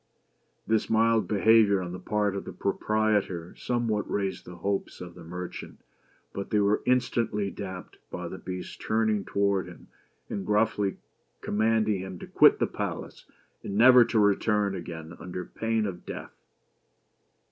This mild behavior on the part of the proprietor some what raised the hopes of the merchant, but they were instantly damped by the Beast's turning toward him, and gruffly com manding him to quit the palace, and never to return again under pain of death.